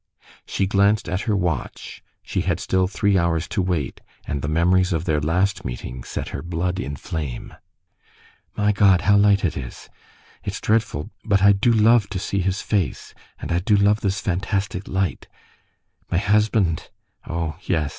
She glanced at her watch. She had still three hours to wait, and the memories of their last meeting set her blood in flame. "My God, how light it is! It's dreadful, but I do love to see his face, and I do love this fantastic light.... My husband! Oh! yes....